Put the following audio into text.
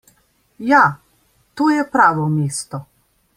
Ja, to je pravo mesto.